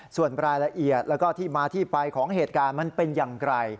ส่วนรายละเอียดแล้วก็ที่มาที่ไปของเหตุการณ์มันเป็นอย่างไร